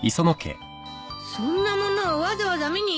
そんなものをわざわざ見に行ったわけ？